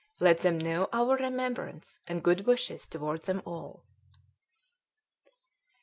Let them know our remembrance and good wishes toward them all.